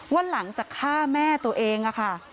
ว่าหลังจากฆ่าแม่ตัวเองค่ะ